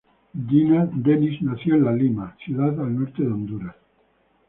Dennis nació en La Lima, ciudad al norte de Honduras.